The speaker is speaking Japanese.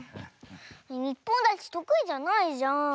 いっぽんだちとくいじゃないじゃん。